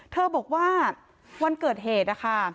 เธอบอกว่าวันเกิดเหตุนะคะ